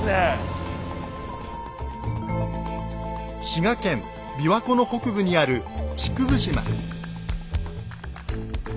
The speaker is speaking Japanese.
滋賀県琵琶湖の北部にある竹生島。